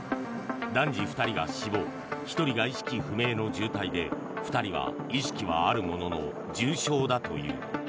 男児２人が死亡１人が意識不明の重体で２人は意識はあるものの重傷だという。